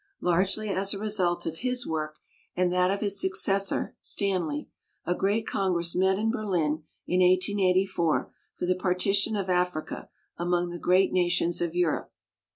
Largely as a result of his work and that of his successor, Stanley, a great congress met in Berlin in 1884 for the par tition of Africa among the great nations of Europe.